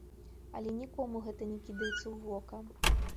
Але нікому гэта не кідаецца ў вока.